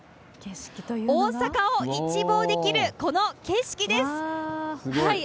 大阪を一望できるこの景色ですごい。